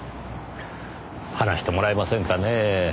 話してもらえませんかねぇ？